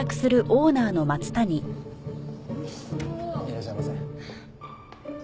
いらっしゃいませ。